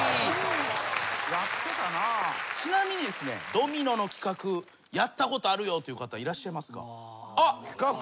ドミノの企画やったことあるよという方いらっしゃいますか？